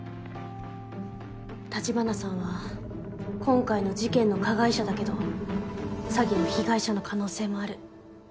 立花さんは今回の事件の加害者だけど詐欺の被害者の可能性もある。